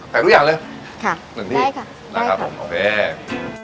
ใส่ทุกอย่างเลยค่ะหนึ่งที่ได้ค่ะได้ค่ะนะครับผมขอแพง